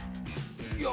いや。